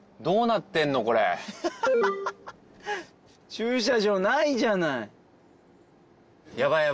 駐車場ないじゃない。